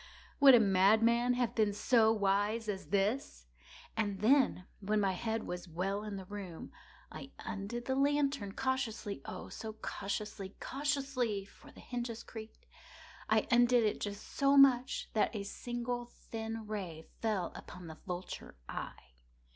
Ha!—would a madman have been so wise as this? And then, when my head was well in the room, I undid the lantern cautiously—oh, so cautiously—cautiously (for the hinges creaked)—I undid it just so much that a single thin ray fell upon the vulture eye.